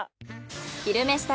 「昼めし旅」